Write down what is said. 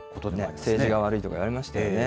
政治が悪いとか言われましたよね。